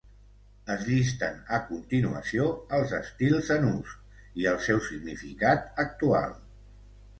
Es llisten a continuació els estils en ús i el seu significat actual.